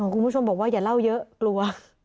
คุณผู้ชมบอกว่าอย่าเล่าเยอะกลัว